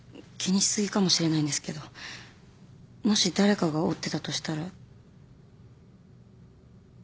気にし過ぎかもしれないんですけどもし誰かが折ってたとしたら。